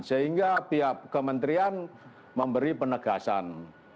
sehingga pihak kementerian memberi penegasan